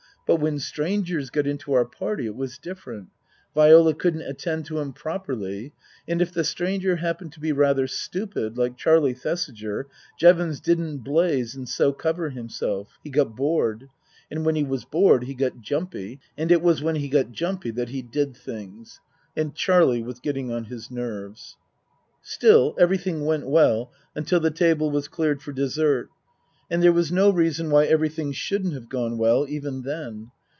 But when strangers got into our party it was different. Viola couldn't attend to him properly ; and if the stranger happened to be rather stupid, like Charlie Thesiger, Jevons didn't blaze and so cover himself ; he got bored ; and when he was bored he got jumpy ; and it was when he got jumpy that he did things. And Charlie was getting on his nerves. Still, everything went well until the table was cleared for dessert ; and there was no reason why everything shouldn't have gone well even then.